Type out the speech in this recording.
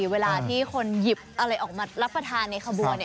เวลาที่คนหยิบอะไรออกมารับประทานในขบวน